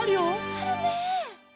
あるね！